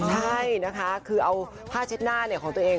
ใช่นะคะคือเอาผ้าเช็ดหน้าของตัวเอง